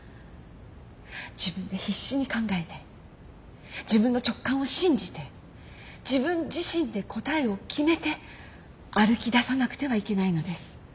自分で必死に考えて自分の直感を信じて自分自身で答えを決めて歩き出さなくてはいけないのです。